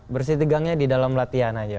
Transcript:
bersih tegangnya di dalam latihan aja